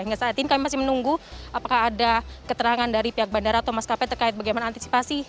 hingga saat ini kami masih menunggu apakah ada keterangan dari pihak bandara atau maskapai terkait bagaimana antisipasi